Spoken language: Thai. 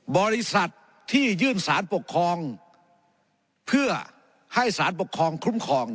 บริษัทที่ยื่นสารปกครองเพื่อให้สารปกครองคุ้มครอง